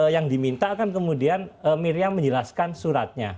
yang diminta kan kemudian miriam menjelaskan suratnya